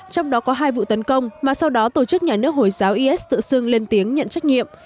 trong đó có hai vụ tấn công mà sau đó tổ chức nhà nước hồi giáo is tự xưng lên tiếng nhận trách nhiệm